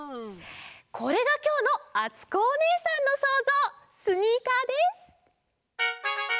これがきょうのあつこおねえさんのそうぞうスニーカーです。